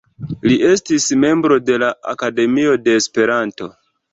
Li estis membro de la Akademio de Esperanto.